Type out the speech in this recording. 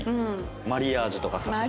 マリアージュとかさせて。